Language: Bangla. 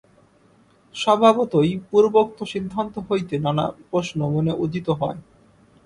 স্বভাবতই পূর্বোক্ত সিদ্ধান্ত হইতে নানা প্রশ্ন মনে উদিত হয়।